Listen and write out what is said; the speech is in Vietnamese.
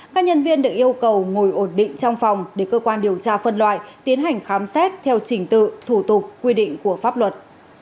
các nhân viên được yêu cầu ngồi ổn định trong phòng để cơ quan điều tra phân loại tiến hành khám xét theo trình tự thủ tục quy định của pháp luật